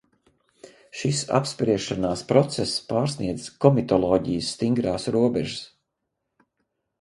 Šis apspriešanās process pārsniedz komitoloģijas stingrās robežas.